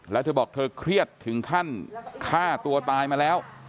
แล้วเธอบอกเธอเครียดถึงขั้นฆ่าตัวตายมาแล้ว